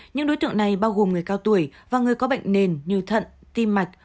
những đối tượng này bao gồm người cao tuổi và người có bệnh nền như thận tim mạch